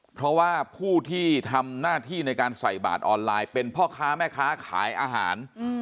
เพราะว่าผู้ที่ทำหน้าที่ในการใส่บาทออนไลน์เป็นพ่อค้าแม่ค้าขายอาหาร